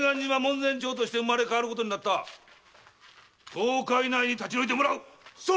十日以内に立ち退いてもらう！